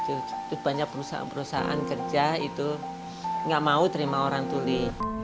itu banyak perusahaan perusahaan kerja itu nggak mau terima orang tuli